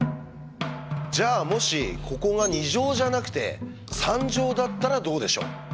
じゃあもしここが２乗じゃなくて３乗だったらどうでしょう？